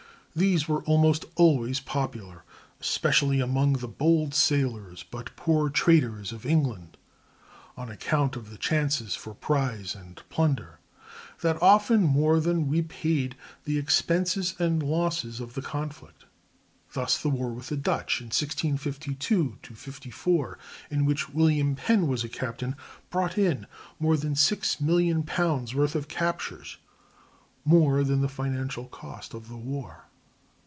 These were almost always popular, especially among the bold sailors but poor traders of England, on account of the chances for prizes and plunder that often more than repaid the expenses and losses of the conflict; thus the war with the Dutch in 1652 54, in which William Penn was a captain, brought in more than _£_6,000,000 worth of captures—more than the financial cost of the war.